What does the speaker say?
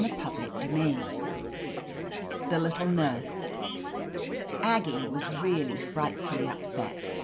CHAPTER II THE LITTLE NURSE A GGIE was really frightfully upset.